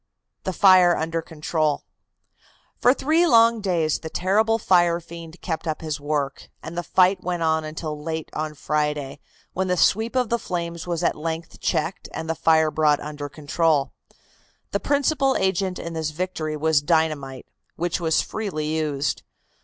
THE FIRE UNDER CONTROL. For three long days the terrible fire fiend kept up his work, and the fight went on until late on Friday, when the sweep of the flames was at length checked and the fire brought under control. The principal agent in this victory was dynamite, which was freely used.